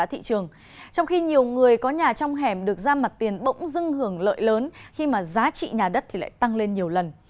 trong khi nhiều người có nhà trong hẻm được ra mặt tiền bỗng dưng hưởng lợi lớn khi mà giá trị nhà đất thì lại tăng lên nhiều lần